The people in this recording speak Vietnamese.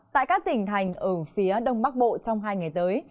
tại các tỉnh thành ở phía đông bắc bộ trong hai ngày tới